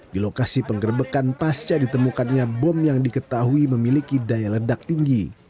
di lokasi penggerbekan pasca ditemukannya bom yang diketahui memiliki daya ledak tinggi